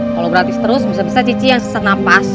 kalau gratis terus bisa bisa cici yang sesat nafas